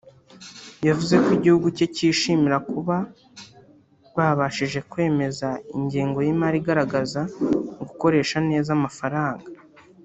yavuze ko igihugu cye cyishimira kuba babashije kwemeza ingengo y’imari igaragaza gukoresha neza amafaranga